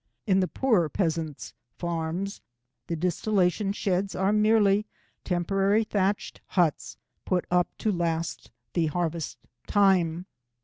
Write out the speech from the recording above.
In the poorer peasants’ farms, the distillation sheds are merely temporary thatched huts put up to last the harvest time.